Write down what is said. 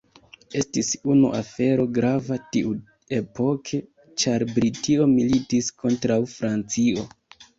Estis unu afero grava tiuepoke ĉar Britio militis kontraŭ Francio.